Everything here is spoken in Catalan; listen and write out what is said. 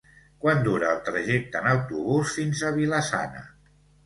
Quant dura el trajecte en autobús fins a Vila-sana?